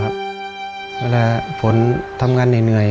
เวลาฝนทำงานเหนื่อย